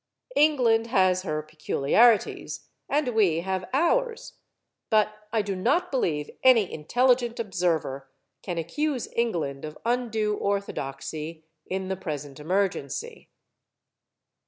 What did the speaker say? England has her peculiarities and we have ours but I do not believe any intelligent observer can accuse England of undue orthodoxy in the present emergency.